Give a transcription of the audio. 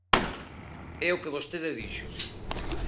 É o que vostede dixo.